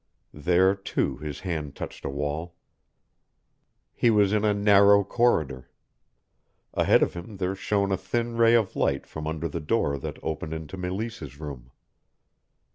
There, too, his hand touched a wall. He was in a narrow: corridor. Ahead of him there shone a thin ray of light from under the door that opened into Meleese's room.